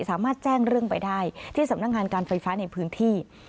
สามารถแจ้งเรื่องไปได้ที่สำนักงานการไฟฟ้าในพื้นที่